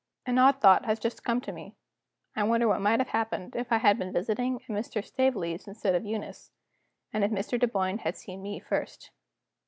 An odd thought has just come to me. I wonder what might have happened, if I had been visiting at Mrs. Staveley's, instead of Eunice, and if Mr. Dunboyne had seen me first.